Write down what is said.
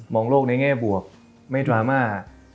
องโลกในแง่บวกไม่ดราม่า